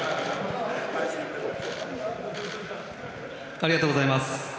ありがとうございます。